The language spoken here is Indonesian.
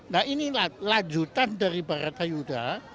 nah ini lanjutan dari parata yuda